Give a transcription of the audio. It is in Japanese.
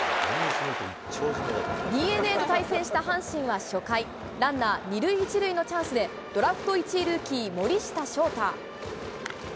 ＤｅＮＡと対戦した阪神は初回、ランナー２塁１塁のチャンスで、ドラフト１位ルーキー、森下翔太。